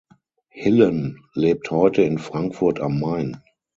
Hillen lebt heute in Frankfurt am Main.